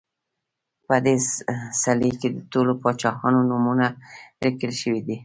په دې څلي کې د ټولو پاچاهانو نومونه لیکل شوي دي